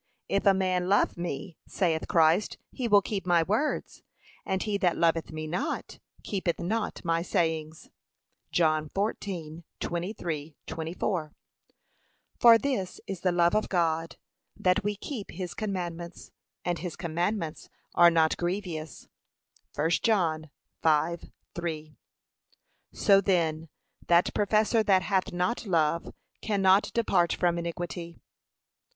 'If a man love me,' saith Christ, 'he will keep my words; and he that loveth me not, keepeth not my sayings.' (John 14:23,24) For this is the love of God, that we keep his commandments: and his commandments are not grievous.' (1 John 5:3) So then, that professor that hath not love, cannot depart from iniquity.